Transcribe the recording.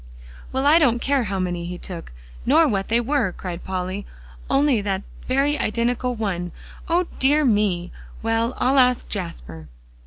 "Well, I don't care how many he took, nor what they were," cried Polly, "only that very identical one. O dear me! Well, I'll ask Jasper."